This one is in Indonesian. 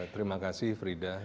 terima kasih frida